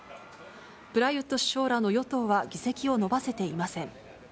プラユット首相らの与党は議席を伸ばせていません。